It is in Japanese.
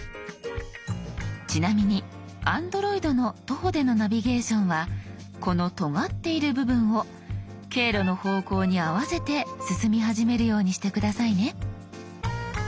ちなみにＡｎｄｒｏｉｄの徒歩でのナビゲーションはこのとがっている部分を経路の方向に合わせて進み始めるようにして下さいね。